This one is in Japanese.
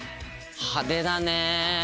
派手だね。